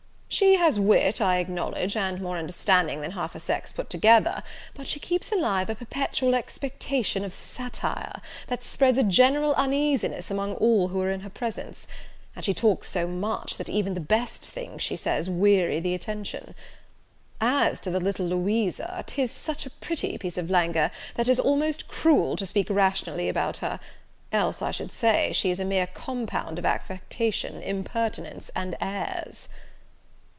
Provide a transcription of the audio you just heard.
She has wit, I acknowledge, and more understanding than half her sex put together; but she keeps alive a perpetual expectation of satire, that spreads a general uneasiness among all who are in her presence; and she talks so much, that even the best things she says weary the attention. As to the little Louisa, 'tis such a pretty piece of languor, that 'tis almost cruel to speak rationally about her, else I should say, she is a mere compound of affectation, impertinence, and airs."